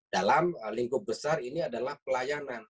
dalam lingkup besar ini adalah pelayanan